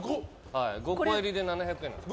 ５個入りで７００円です。